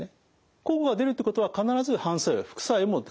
効果が出るってことは必ず反作用副作用も必ず出ます。